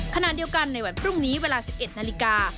ขณะเดียวกันในวันพรุ่งนี้เวลา๑๑นาฬิกา